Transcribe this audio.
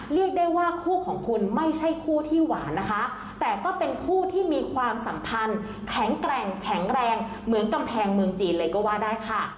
เรียกได้ว่าคู่ของคุณไม่ใช่คู่ที่หวานนะคะแต่ก็เป็นคู่ที่มีความสัมพันธ์แข็งแกร่งแข็งแรงเหมือนกำแพงเมืองจีนเลยก็ว่าได้ค่ะ